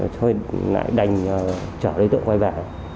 thôi lại đành chở đối tượng quay về